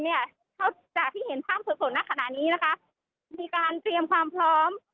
เท่าจากที่เห็นภาพสดณขณะนี้นะคะมีการเตรียมความพร้อม